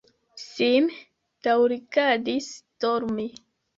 Sim daŭrigadis dormi.